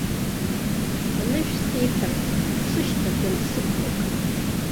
Анышә сеиҭарц дсышьҭаӡан сықәлак.